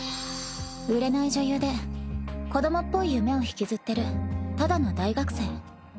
売れない女優で子どもっぽい夢を引きずってるただの大学生。